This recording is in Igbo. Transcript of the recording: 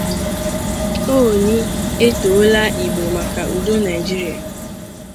Ooni Etoola Igbo Maka Udo Naijiria